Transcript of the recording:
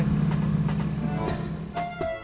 kok punya ototnya